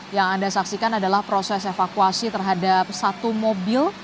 yang anda saksikan adalah proses evakuasi terhadap satu mobil